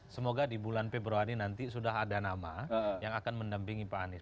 semoga di bulan februari nanti sudah ada nama yang akan mendampingi pak anies